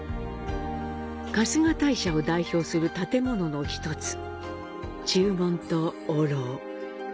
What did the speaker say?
春日大社を代表する建物の１つ、中門と御廊。